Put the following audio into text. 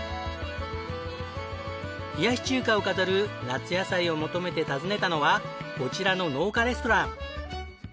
冷やし中華を飾る夏野菜を求めて訪ねたのはこちらの農家レストラン。